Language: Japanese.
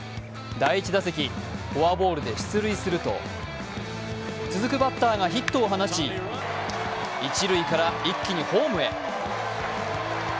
第１打席、フォアボールで出塁すると、続くバッターがヒットを放ち一塁から一気にホームへ。